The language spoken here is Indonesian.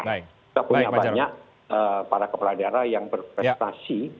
kita punya banyak para kepala daerah yang berprestasi